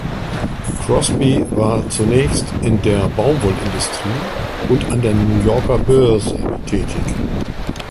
Crosby war zunächst in der Baumwollindustrie und an der New Yorker Börse tätig.